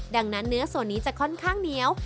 ดังนั้นเนื้อส่วนนี้จะค่อนข้างเหนียว